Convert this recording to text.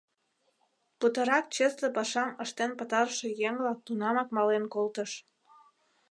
Путырак чесле пашам ыштен пытарыше еҥла тунамак мален колтыш.